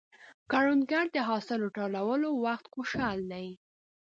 کروندګر د حاصل راټولولو وخت خوشحال دی